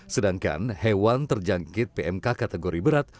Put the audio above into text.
sedangkan hewan terjangkit pmk kategori berat